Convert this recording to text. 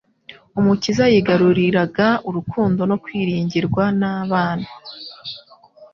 Umukiza yigaruriraga urukundo no kwiringirwa n'abana.